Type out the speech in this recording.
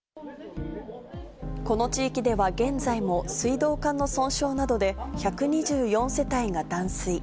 この地域では現在も水道管の損傷などで１２４世帯が断水。